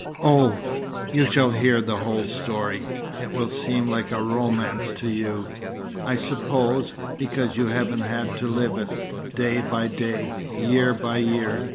Oh, you shall hear the whole story. It will seem like a romance to you, I suppose, because you haven't had to live it, day by day, year by year.